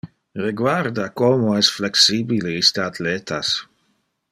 Reguarda como es flexibile iste athletas!